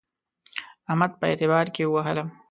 احمد په اعتبار کې ووهلم.